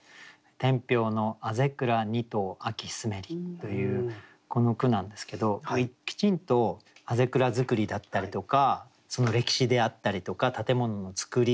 「天平の校倉二棟秋澄めり」というこの句なんですけどきちんと校倉造りだったりとかその歴史であったりとか建物の造り